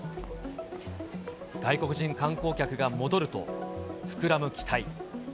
外国人観光客が戻ると、膨らむ期待。